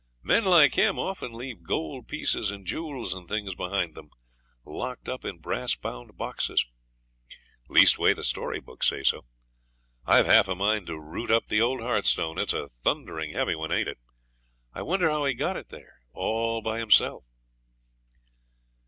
'Men like him often leave gold pieces and jewels and things behind them, locked up in brass bound boxes; leastways the story books say so. I've half a mind to root up the old hearthstone; it's a thundering heavy one, ain't it? I wonder how he got it here all by himself.'